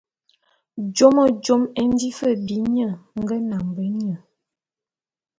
Jôme jôme é nji fe bi nye nge nambe nye.